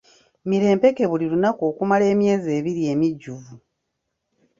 Mira empeke buli lunaku okumala emyezi ebiri emijjuvu.